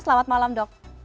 selamat malam dok